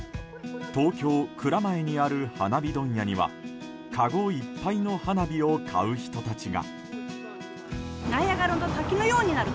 東京・蔵前にある花火問屋にはかごいっぱいの花火を買う人たちが。